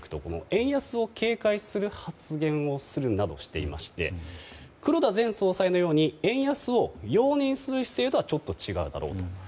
円安を警戒する発言などをしていまして黒田前総裁のように円安を容認する姿勢とはちょっと違うだろうと。